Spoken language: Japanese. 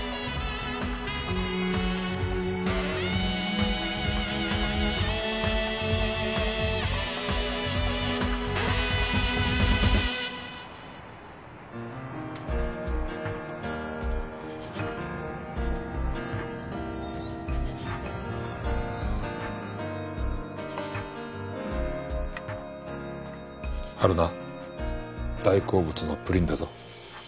春菜大好物のプリンだぞ。